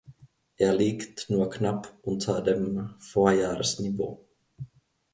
Er liegt nur knapp unter dem Vorjahresniveau.